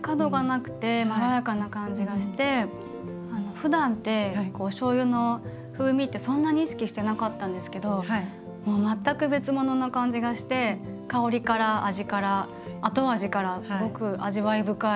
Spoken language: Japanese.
ふだんっておしょうゆの風味ってそんなに意識してなかったんですけどもう全く別ものな感じがして香りから味から後味からすごく味わい深い。